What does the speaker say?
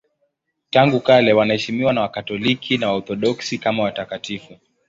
Tangu kale wanaheshimiwa na Wakatoliki na Waorthodoksi kama watakatifu.